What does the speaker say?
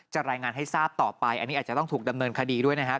รายงานให้ทราบต่อไปอันนี้อาจจะต้องถูกดำเนินคดีด้วยนะครับ